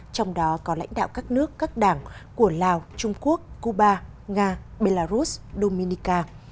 trong đó có lãnh đạo các nước các đảng của lào trung quốc cuba nga belarus dominica